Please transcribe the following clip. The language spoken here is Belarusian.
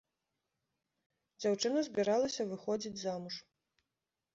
Дзяўчына збіралася выходзіць замуж.